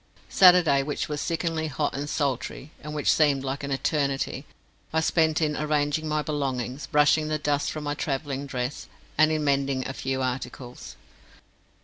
Saturday, which was sickeningly hot and sultry, and which seemed like an eternity, I spent in arranging my belongings, brushing the dust from my travelling dress, and in mending a few articles.